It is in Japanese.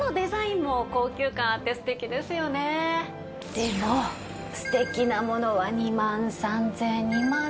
でも素敵なものは２万３０００２万６０００。